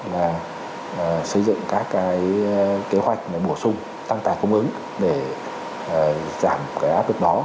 là xây dựng các cái kế hoạch để bổ sung tăng tài công ứng để giảm cái áp lực đó